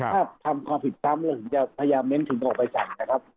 ถ้าทำความผิดซ้ำเราถึงจะพยายามเน้นถึงออกไปสั่งนะครับ